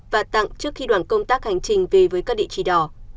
và tặng trước khi đoàn công tác hành trình về với các địa chỉ đỏ